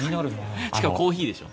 しかもコーヒーでしょ。